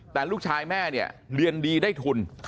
แต่ลูกชายแม่เนี่ยเรียนดีได้ทุน